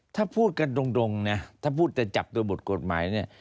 ถ้าพูดกันดรงเนี่ยถ้าพูดแต่จับตัวบทกฎหมายเนี่ย